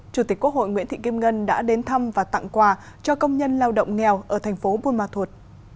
chủ tịch quốc hội nguyễn thị kim ngân đã đến thăm và tặng quà cho công nhân lao động nghèo ở thành phố buôn ma thuột